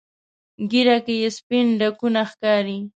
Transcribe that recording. ږیره کې یې سپین ډکونه ښکاري.